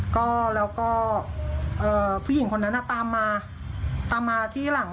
ก็ผู้หญิงคนนั้นตามมาที่หลัง